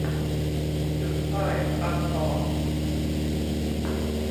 จุดไต้ตำตอ